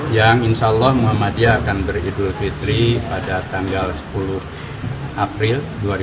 yang insya allah muhammadiyah akan beridul fitri pada tanggal sepuluh april dua ribu dua puluh